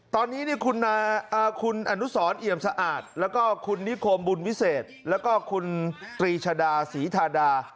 ตอนนี้คุณอนุสรเอี่ยมสะอาดแล้วก็คุณนิคมบุญวิเศษแล้วก็คุณตรีชดาศรีทาดา